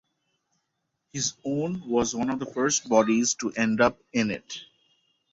His own was one of the first bodies to end up in it.